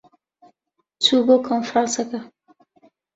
چوو بۆ کۆنفرانسەکە.